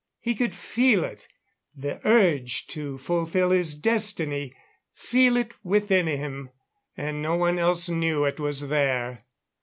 "He could feel it the urge to fulfill his destiny feel it within him, and no one else knew it was there.